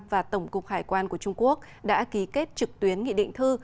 và tổng cục hải quan của trung quốc đã ký kết trực tuyến nghị định thư